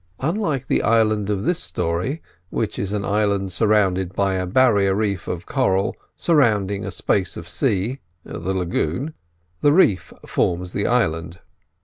Unlike the island of this story (which is an island surrounded by a barrier reef of coral surrounding a space of sea—the lagoon), the reef forms the island.